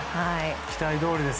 期待どおりです。